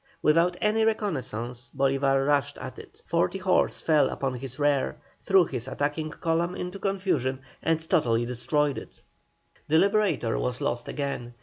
Without any reconnaissance Bolívar rushed at it. Forty horse fell upon his rear, threw his attacking column into confusion and totally destroyed it. The Liberator was lost again.